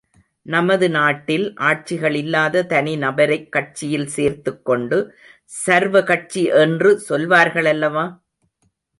நமது நாட்டில் ஆட்சிகள் இல்லாத தனி நபரைக் கட்சியில் சேர்த்துக்கொண்டு சர்வ கட்சி என்று சொல்வார்கள் அல்லவா?